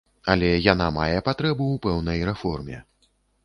Але яна мае патрэбу ў пэўнай рэформе.